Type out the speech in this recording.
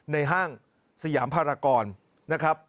ห้างสยามภารกรนะครับ